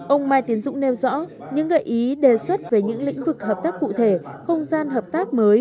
ông mai tiến dũng nêu rõ những gợi ý đề xuất về những lĩnh vực hợp tác cụ thể không gian hợp tác mới